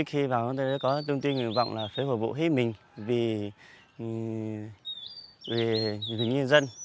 hy vọng chúng tôi sẽ có thông tin hy vọng là sẽ phục vụ hết mình vì nhân dân